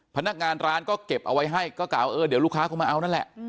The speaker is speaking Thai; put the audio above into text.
พนักงานร้านก็เก็บเอาไว้ให้ก็กล่าวเออเดี๋ยวลูกค้าคงมาเอานั่นแหละ